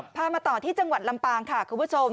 มาต่อที่จังหวัดลำปางค่ะคุณผู้ชม